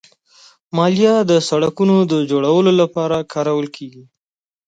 مالیه د سړکونو جوړولو لپاره کارول کېږي.